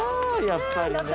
やっぱりね。